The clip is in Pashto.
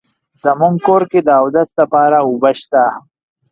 زمونږ کور کې د اودس لپاره اوبه شته